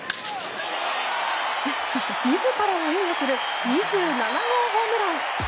自らを援護する２７号ホームラン！